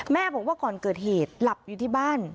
บอกว่าก่อนเกิดเหตุหลับอยู่ที่บ้าน